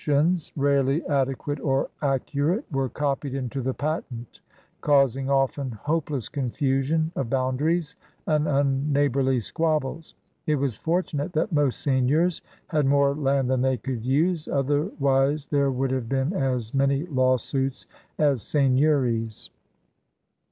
£..' SEIGNEURS OP OLD CANADA 141 rarely adequate or accurate^ were copied into the patent, causing often hopeless confusion of bound aries and unneighborly squabbles. It was fortu nate that most seigneurs had more land than they could use; otherwise there would have been as many lawsuits as seigneuries.